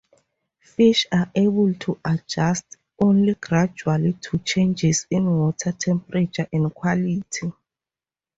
Fish are able to adjust only gradually to changes in water temperature and quality.